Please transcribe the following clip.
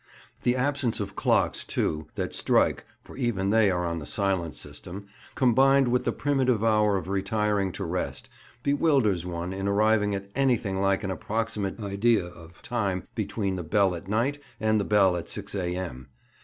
The absence of clocks, too, that strike (for even they are on the silent system), combined with the primitive hour of retiring to rest, bewilders one in arriving at anything like an approximate idea of time between the bell at night and the bell at 6 A.M.